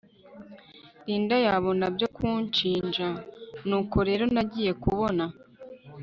Linda yabona byo kunshinja nuko rero nagiye kubona